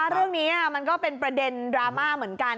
เรื่องนี้มันก็เป็นประเด็นดราม่าเหมือนกัน